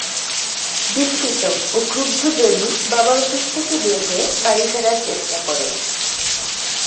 বিস্মিত ও ক্রুদ্ধ জেমি বাবার অফিস থেকে বের হয়ে বাড়ি ফেরার চেষ্টা করে।